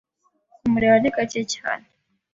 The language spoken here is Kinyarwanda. kumureba ni gake cyane